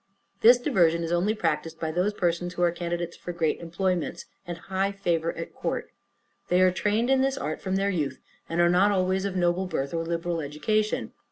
This diversion is only practised by those persons who are candidates for great employments, and high favor at court. They are trained in this art from their youth, and are not always of noble birth, or liberal education.